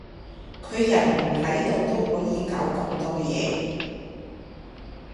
佢人唔喺度都可以搞咁多嘢